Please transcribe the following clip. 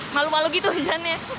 malu malu gitu hujannya